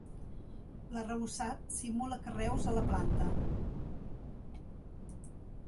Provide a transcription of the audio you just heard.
L'arrebossat simula carreus a la planta.